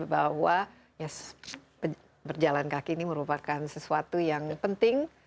bahwa berjalan kaki ini merupakan sesuatu yang penting